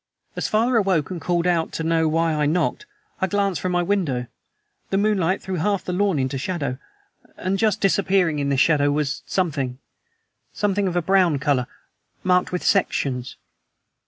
"As father awoke and called out to know why I knocked, I glanced from my window. The moonlight threw half the lawn into shadow, and just disappearing in this shadow was something something of a brown color, marked with sections!"